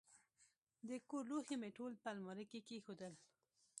د کور لوښي مې ټول په المارۍ کې کښېنول.